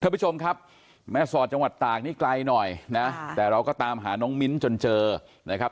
ผู้ชมครับแม่สอดจังหวัดตากนี่ไกลหน่อยนะแต่เราก็ตามหาน้องมิ้นจนเจอนะครับ